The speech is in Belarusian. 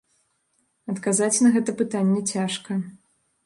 Адказаць на гэта пытанне цяжка.